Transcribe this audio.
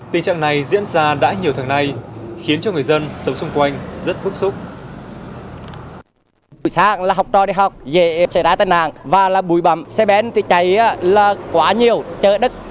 tình trạng này diễn ra đã nhiều tháng nay khiến cho người dân sống xung quanh rất bức xúc